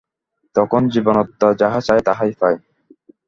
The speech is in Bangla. তখন জীবাত্মা যাহা চায়, তাহাই পায়।